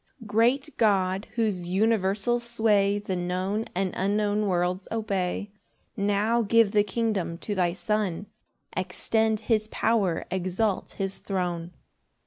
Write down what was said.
1 Great God, whose universal sway The known and unknown worlds obey, Now give the kingdom to thy Son, Extend his power, exalt his throne.